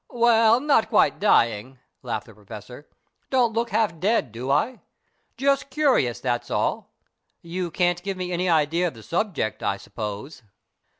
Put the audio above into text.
"Well, not quite dying," laughed the Professor. "Don't look half dead, do I? Just curious, that's all. You can't give me any idea of the subject, I suppose?"